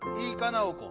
ナオコ。